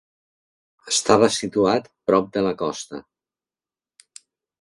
Estava situat prop de la costa.